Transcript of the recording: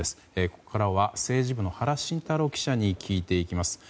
ここからは政治部の原慎太郎記者に聞いていきます。